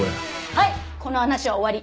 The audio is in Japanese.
はいこの話は終わり。